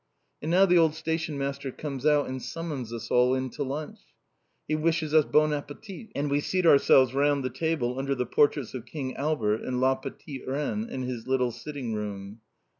And now the old stationmaster comes out and summons us all in to lunch. He wishes us "bon appétit" and we seat ourselves round the table under the portraits of King Albert and "la petite reine" in his little sitting room.